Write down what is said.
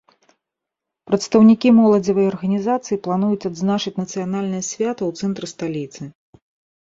Прадстаўнікі моладзевай арганізацыі плануюць адзначыць нацыянальнае свята ў цэнтры сталіцы.